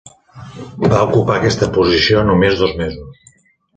Va ocupar aquesta posició només dos mesos.